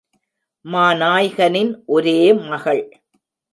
மாநாய்கனின் ஒரே மகள்.